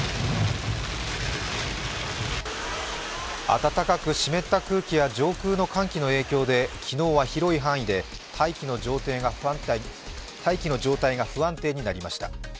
暖かく湿った空気や上空の寒気の影響で昨日は広い範囲で大気の状態が不安定になりました。